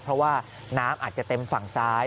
เพราะว่าน้ำอาจจะเต็มฝั่งซ้าย